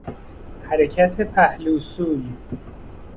حرکت پهلو سوی